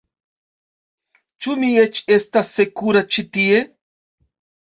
Ĉu mi eĉ estas sekura ĉi tie?